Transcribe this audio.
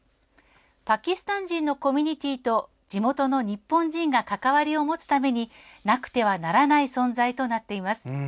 パキスタン人のコミュニティーと地元の日本人が関わりを持つためになくてはならない存在となっています。